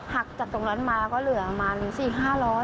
หากจัดตรงนั้นมาก็เหลือประมาณ๔๕๐๐บาท